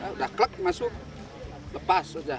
udah klik masuk lepas saja